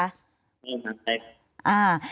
ใช่ครับ